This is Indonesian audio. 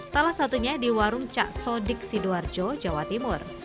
salah satunya di warung cak sodik sidoarjo jawa timur